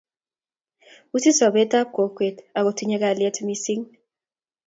Wisis sopet ap kokwet ako tinye kalyet missing'